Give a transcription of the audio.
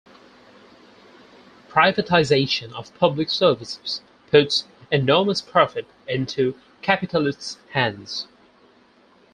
Privatization of public services puts enormous profit into capitalists' hands.